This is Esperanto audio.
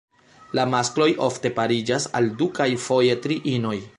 La maskloj ofte pariĝas al du kaj foje tri inoj.